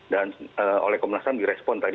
dan oleh komnas ham direspon tadi